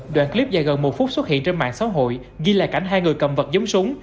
đoạn clip dài gần một phút xuất hiện trên mạng xã hội ghi lại cảnh hai người cầm vật giống súng